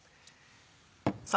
さぁ